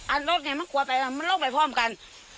อันรถมันกลัวไปมันล่มไปพร้อมกัน